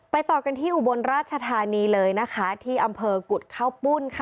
ต่อกันที่อุบลราชธานีเลยนะคะที่อำเภอกุฎข้าวปุ้นค่ะ